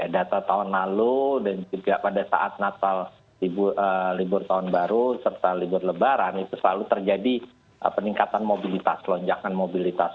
data tahun lalu dan juga pada saat natal libur tahun baru serta libur lebaran itu selalu terjadi peningkatan mobilitas lonjakan mobilitas